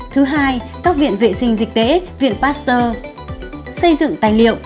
thứ hai các viện vệ sinh dịch tễ viện pasteur xây dựng tài liệu